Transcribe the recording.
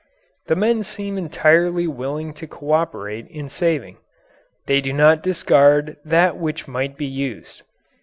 The men seem entirely willing to cooperate in saving. They do not discard that which might be used.